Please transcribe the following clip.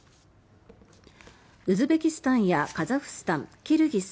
ウズベキスタンやカザフスタン、キルギス